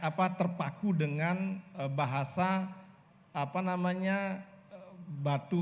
apa terpaku dengan bahasa apa namanya batu